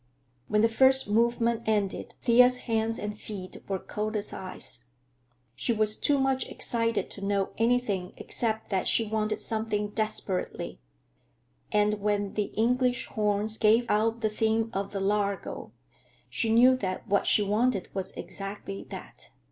When the first movement ended, Thea's hands and feet were cold as ice. She was too much excited to know anything except that she wanted something desperately, and when the English horns gave out the theme of the Largo, she knew that what she wanted was exactly that.